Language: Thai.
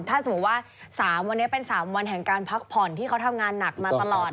ถ้าสมมุติว่า๓วันนี้เป็น๓วันแห่งการพักผ่อนที่เขาทำงานหนักมาตลอด